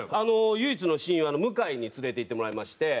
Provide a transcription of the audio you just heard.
唯一の親友向井に連れていってもらいまして。